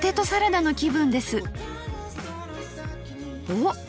おっ！